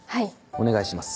お願いします。